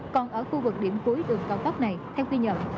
còn ở khu vực điểm cuối đường cao tốc này theo ghi nhận